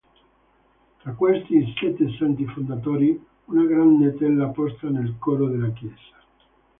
Tra questi "I Sette santi fondatori", una grande tela posta nel coro della chiesa.